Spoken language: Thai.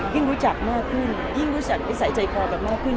ยิ่งรู้จักมากขึ้นยิ่งรู้จักใส่ใจครอบครอบครับมากขึ้น